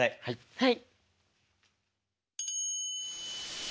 はい。